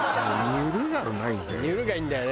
「にゅる」がいいんだよね。